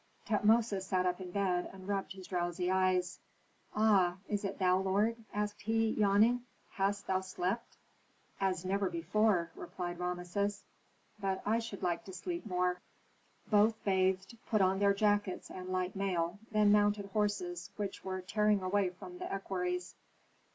Tutmosis sat up in bed and rubbed his drowsy eyes. "Ah, is it thou, lord?" asked he, yawning. "Hast thou slept?" "As never before," replied Rameses. "But I should like to sleep more." Both bathed, put on their jackets and light mail, then mounted horses, which were tearing away from the equerries.